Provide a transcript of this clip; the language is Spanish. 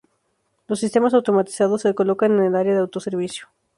Los sistemas automatizados se colocan en el área de autoservicio.